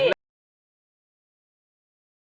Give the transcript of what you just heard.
ลองหาคนกินบ้าน